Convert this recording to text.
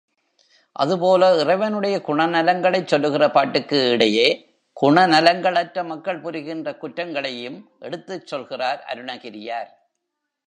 அதுபோல இறைவனுடைய குணநலங்களைச் சொல்லுகிற பாட்டுக்கு இடையே குணநலங்கள் அற்ற மக்கள் புரிகின்ற குற்றங்களையும் எடுத்துச் சொல்கிறார் அருணகிரியார்.